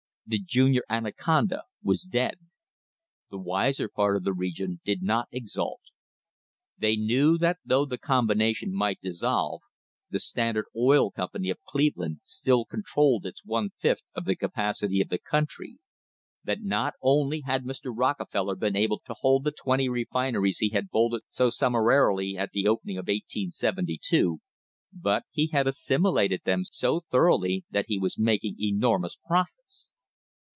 The "Junior Anaconda" was dead. The wiser part of the region did not exult. They knew that though the combination might dis solve, the Standard Oil Company of Cleveland still controlled its one fifth of the capacity of the country; that not only had Mr. Rockefeller been able to hold the twenty refineries he had bolted so summarily at the opening of 1872, but he had assimilated them so thoroughly that he was making enormous profits.